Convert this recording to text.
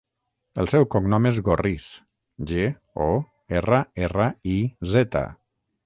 El seu cognom és Gorriz: ge, o, erra, erra, i, zeta.